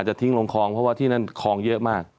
จะทิ้งลงคลองเพราะว่าที่นั่นคลองเยอะมาก